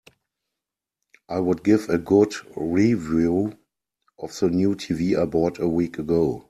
I would give a good review of the new TV I bought a week ago.